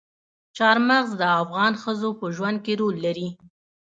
چار مغز د افغان ښځو په ژوند کې رول لري.